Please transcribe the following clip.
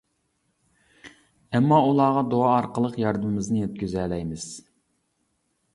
ئەمما ئۇلارغا دۇئا ئارقىلىق ياردىمىمىزنى يەتكۈزەلەيمىز.